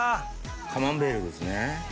カマンベールですね。